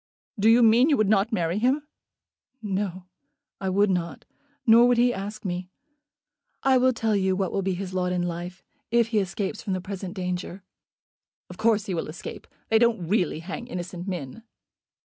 "Do you mean you would not marry him?" "No; I would not. Nor would he ask me. I will tell you what will be his lot in life, if he escapes from the present danger." "Of course he will escape. They don't really hang innocent men."